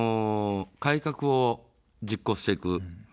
改革を実行していく。